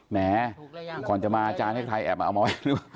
แหมก่อนจะมาอาจารย์ให้ใครแอบเอามาไว้